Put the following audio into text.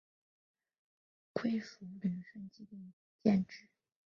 归属旅顺基地建制。